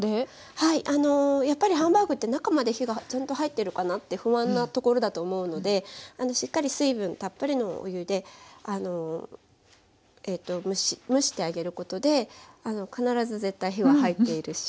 はいあのやっぱりハンバーグって中まで火がちゃんと入ってるかなって不安なところだと思うのでしっかり水分たっぷりのお湯で蒸してあげることで必ず絶対火は入っているし